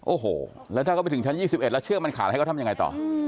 โอ้โหแล้วถ้าเขาไปถึงชั้น๒๑แล้วเชือกมันขาดให้เขาทำยังไงต่อ